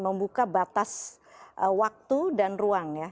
membuka batas waktu dan ruang ya